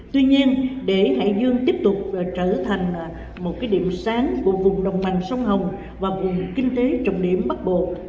tuy nhiên để hải dương tiếp tục trở thành một điểm sáng của vùng đồng bằng sông hồng và vùng kinh tế trọng điểm bắc bộ